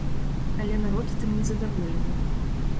Але народ тым незадаволены.